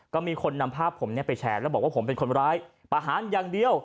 ก็มีคนนำภาพผมไปแชร์แล้วบอกว่าผมเป็นคนร้ายประหารอย่างเดียว